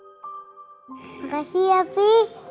terima kasih api